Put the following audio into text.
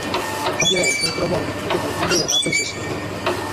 A Firenze trovò un ambiente tranquillo e adatto ai suoi studi.